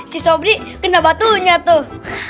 si suami kena batunya tuh